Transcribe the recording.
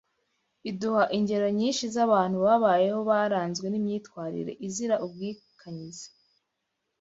iduha ingero nyinshi z’abantu babayeho baranzwe n’imyitwarire izira ubwikanyize